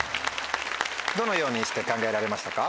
どのようにして考えられましたか？